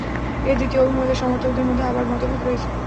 এ দ্বিতীয় অভিমতের সমর্থকদের মধ্যে আবার মতভেদ রয়েছে।